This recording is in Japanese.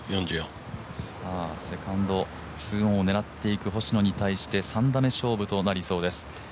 セカンド、２オンを狙っていく星野に対して３打目勝負となりそうです。